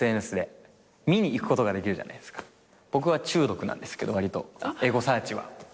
僕は中毒なんですけどわりとエゴサーチは。